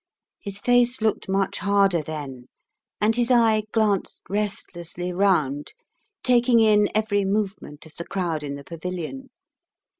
His face looked much harder then, and his eye glanced restlessly round, taking in every movement of the crowd in the pavilion.